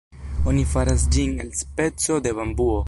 Oni faras ĝin el speco de bambuo.